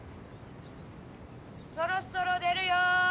そろそろ出るよ！